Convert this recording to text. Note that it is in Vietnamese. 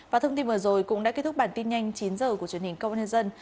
và thông tin vừa rồi cũng đã kết thúc bản tin nhanh chín h của truyền hình công an nhân dân